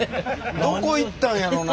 どこ行ったんやろな？